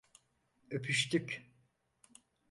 Öpüştük.